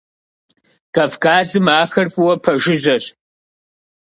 Кавказым ахэр фӏыуэ пэжыжьэщ.